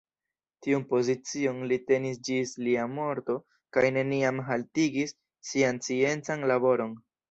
Tiun pozicion li tenis ĝis lia morto kaj neniam haltigis sian sciencan laboron.